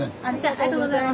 ありがとうございます。